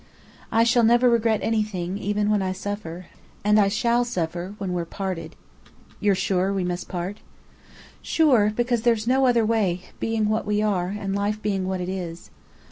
I shall never regret anything, even when I suffer. And I shall suffer, when we're parted." "You're sure we must part?" "Sure, because there's no other way, being what we are, and life being what it is.